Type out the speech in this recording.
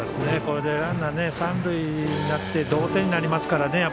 これでランナーが三塁になって同点になりますからね。